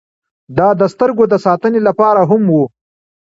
دا د سترګو د ساتنې لپاره هم و.